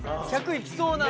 １００いきそうな。